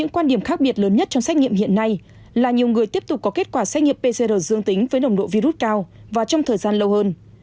quan điểm khác biệt lớn nhất trong xét nghiệm hiện nay là nhiều người tiếp tục có kết quả xét nghiệm pcr dương tính với nồng độ virus cao và trong thời gian lâu hơn